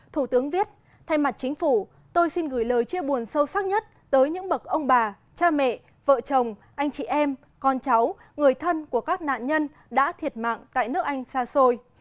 thủ tướng viết thay mặt chính phủ tôi xin gửi lời chia buồn sâu sắc nhất tới những bậc ông bà cha mẹ vợ chồng anh chị em con cháu người thân của các nạn nhân đã thiệt mạng tại nước anh xa xôi